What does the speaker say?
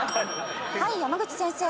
はい山口先生。